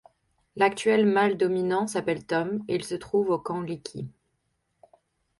L'actuel mâle dominant s'appelle Tom et il se trouve au Camp Leakey.